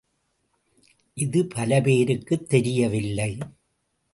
இது பலபேருக்குத் தெரியவில்லை.